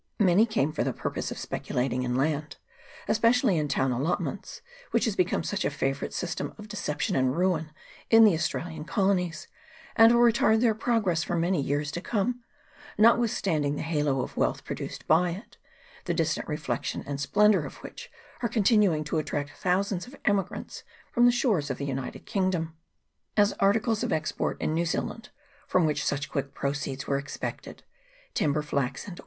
Many came for the purpose of speculating in land, especially in town allotments, which has become such a favourite system of deception and ruin in the Australian colonies, and will retard their progress for many years to come, notwithstanding the halo of wealth produced by it, the distant reflection and splendour of which are continuing to attract thousands of emigrants from the shores of the United Kingdom. As articles of export in New Zealand, from which such quick proceeds were expected, timber, flax, and 6 GENERAL REMARKS. [CHAP. I.